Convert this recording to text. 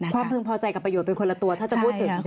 ความพึงพ่อใจกับประโยชน์เป็นคนละตัวถ้าจะพูดถึงใช่ไหมคะ